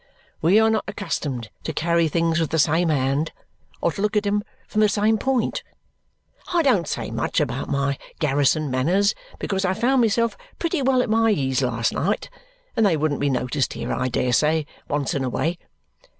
We are not accustomed to carry things with the same hand or to look at 'em from the same point. I don't say much about my garrison manners because I found myself pretty well at my ease last night, and they wouldn't be noticed here, I dare say, once and away.